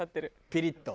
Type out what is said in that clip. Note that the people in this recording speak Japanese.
ピリッと？